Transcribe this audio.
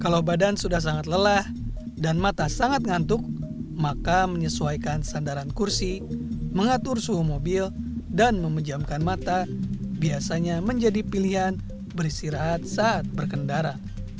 kalau badan sudah sangat lelah dan mata sangat ngantuk maka menyesuaikan sandaran kursi mengatur suhu mobil dan memejamkan mata biasanya menjadi pilihan beristirahat saat berkendara